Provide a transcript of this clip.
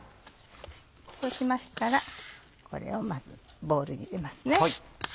そうしましたらこれをまずボウルに入れますね。